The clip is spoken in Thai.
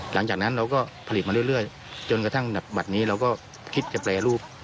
หลังจากนั้นเราก็ผลิตมาเรื่อยจนกระทั่งบัตรนี้เราก็คิดจะแปรรูป